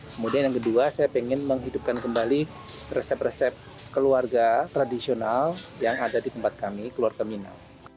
kemudian yang kedua saya ingin menghidupkan kembali resep resep keluarga tradisional yang ada di tempat kami keluarga mina